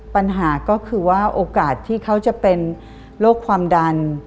ปัญหาก็คือว่าโอกาสที่เขาจะเป็นโรคความดัน